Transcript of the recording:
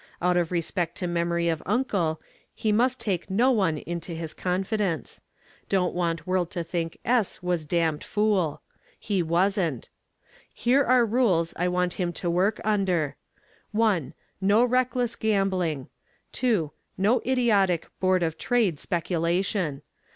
Out of respect to memory of uncle he must take no one into his confidence. Don't want world to think S. was damned fool. He wasn't. Here are rules I want him to work under: 1. No reckless gambling. 2. No idiotic Board of Trade speculation.